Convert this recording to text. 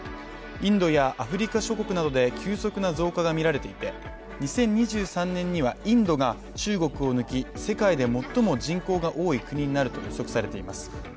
インドやアフリカ諸国などで急速な増加が見られていて２０２３年にはインドが中国を抜き世界で最も人口が多い国になると予測されています。